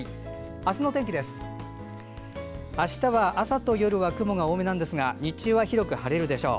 あすは朝と夜は雲が多めですが日中は広く晴れるでしょう。